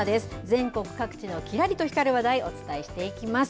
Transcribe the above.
全国各地のきらりと光る話題、お伝えしていきます。